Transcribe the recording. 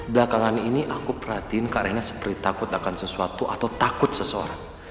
belakangan ini aku perhatiin kak rena seperti takut akan sesuatu atau takut seseorang